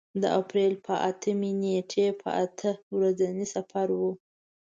د اپرېل په اتمې نېټې په اته ورځني سفر و.